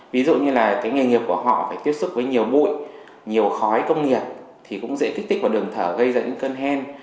ví dụ như là cái nghề nghiệp của họ phải tiếp xúc với nhiều bụi nhiều khói công nghiệp thì cũng dễ kích tích vào đường thở gây ra những cơn hen